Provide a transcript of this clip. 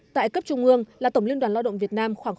tại cấp trung ương là tổng liên đoàn lao động việt nam khoảng tám